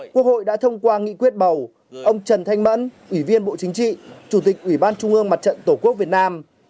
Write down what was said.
quốc hội đã thông qua nghị quyết bầu ông trần thanh mẫn ủy viên bộ chính trị chủ tịch ủy ban trung ương mặt trận tổ quốc việt nam